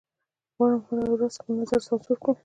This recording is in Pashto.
غواړم هره ورځ خپل نظر سانسور کړم